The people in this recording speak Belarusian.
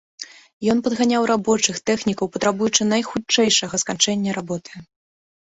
Ён падганяў рабочых, тэхнікаў, патрабуючы найхутчэйшага сканчэння работы.